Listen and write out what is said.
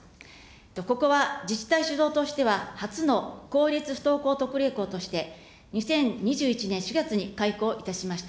ここは自治体主導としては初の公立不登校特例校として、２０２１年４月に開校いたしました。